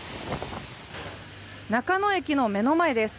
中野駅の目の前です。